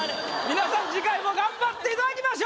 皆さん次回もがんばっていただきましょう！